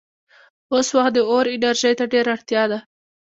اوس وخت د اور انرژۍ ته ډېره اړتیا ده.